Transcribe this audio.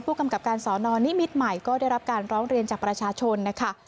กำกับการสอนอนนิมิตรใหม่ก็ได้รับการร้องเรียนจากประชาชนนะคะ